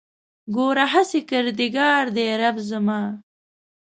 ګوره هسې کردګار دی رب زما